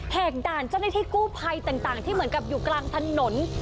กด่านเจ้าหน้าที่กู้ภัยต่างที่เหมือนกับอยู่กลางถนน